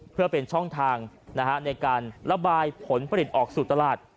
เพื่อเป็นช่องทางในการระบายผลผลิตออกสู่ตลาด